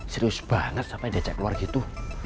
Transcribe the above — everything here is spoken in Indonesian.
serius banget sampai diajak keluar gitu